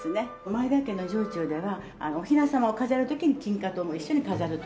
前田家の城中ではお雛様を飾る時に金花糖も一緒に飾るという。